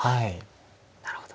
なるほど。